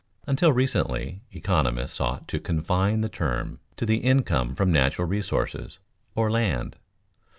Until recently economists sought to confine the term to the income from natural resources (or land).